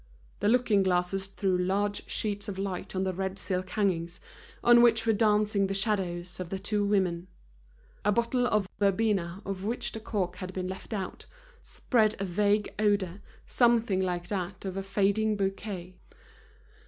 The looking glasses threw large sheets of light on the red silk hangings, on which were dancing the shadows of the two women. A bottle of verbena, of which the cork had been left out, spread a vague odor, something like that of a fading bouquet.